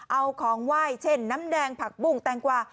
เอาของไหว้เช่นน้ำแดงผักบุ้งแตงกวา